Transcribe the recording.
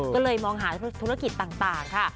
ก็เลยมองหาธุรกิจต่างค่ะ